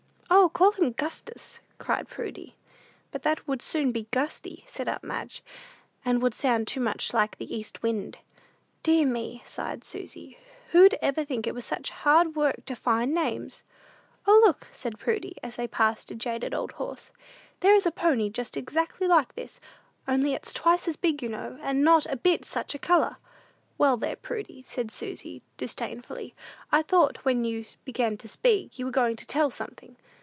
"O, call him 'Gustus,'" cried Prudy. "But that would soon be Gusty," said aunt Madge, "and would sound too much like the east wind." "Dear me," sighed Susy; "who'd ever think it was such hard work to find names?" "O, look," said Prudy, as they passed a jaded old horse; "there is a pony just exactly like this! Only it's twice as big, you know, and not a bit such a color!" "Well, there, Prudy," said Susy, disdainfully, "I thought, when you began to speak, you was going to tell something!